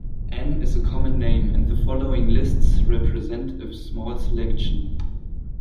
Anne is a common name and the following lists represent a small selection.